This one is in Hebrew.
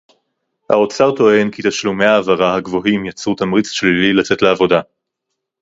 האוצר טוען כי תשלומי ההעברה הגבוהים יצרו תמריץ שלילי לצאת לעבודה